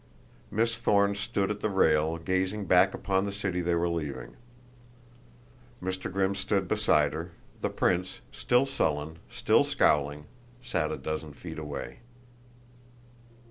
Miss Thorne stood at the rail gazing back upon the city they were leaving. Mr. Grimm stood beside her; the prince, still sullen, still scowling, sat a dozen feet away.